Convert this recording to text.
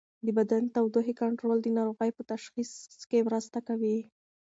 د بدن د تودوخې کنټرول د ناروغۍ په تشخیص کې مرسته کوي.